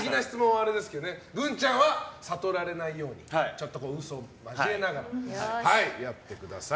グンちゃんは悟られないように嘘とかを交えながらやってください。